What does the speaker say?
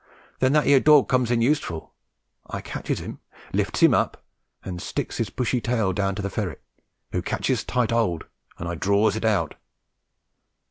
Then that 'ere dawg comes in useful. I catches him, lifts him up, and sticks his bushy tail down to the ferret, who catches tight hold, and I draws it out.